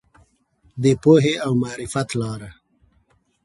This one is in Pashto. د پوهې او معرفت لاره.